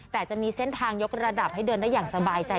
แต่จะมีเส้นทางยกระดับให้เดินได้อย่างสบายใจ